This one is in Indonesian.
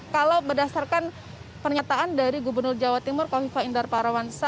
kalau berdasarkan pernyataan dari gubernur jawa timur kofifa indar parawansa